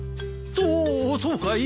そうそうかい？